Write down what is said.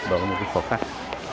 đó là một khó khăn